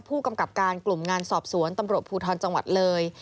ผู้กำกับการกลุ่มงานสอบสวนตำรวจภูทรจังหวัดเลย